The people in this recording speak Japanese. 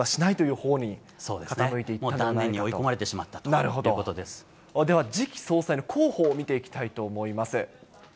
もう断念に追い込まれてしまでは次期総裁の候補を見ていきたいと思います。